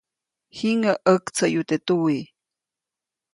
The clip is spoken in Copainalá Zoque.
Jiŋäʼ ʼaktsayu teʼ tuwiʼ.